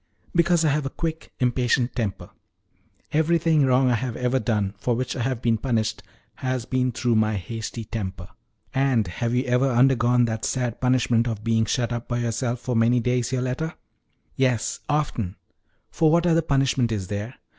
Because I have a quick, impatient temper. Everything wrong I have ever done, for which I have been punished, has been through my hasty temper." "And have you ever undergone that sad punishment of being shut up by yourself for many days, Yoletta?" "Yes, often; for what other punishment is there?